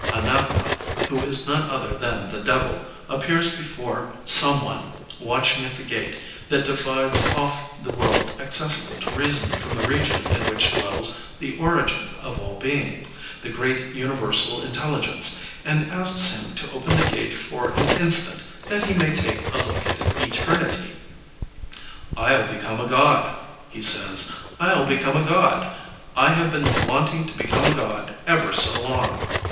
Anathema, who is none other than the Devil, appears before Someone watching at the gate that divides off the world accessible to reason from the region in which dwells The Origin of all being, the Great Universal LEONID ANDREYEV 29 Intelligence, and asks him to open the gate for an instant that he may take a look at Eternity, ''I'll become a God,*' he says, ''I'll become a God. I have been wanting to become a God ever so long."